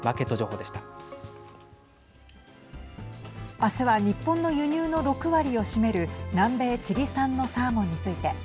明日は日本の輸入の６割を占める南米チリ産のサーモンについて。